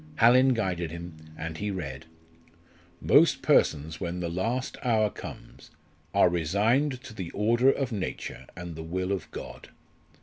Hallin guided him and he read "_Most persons when the last hour comes are resigned to the order of nature and the will of God.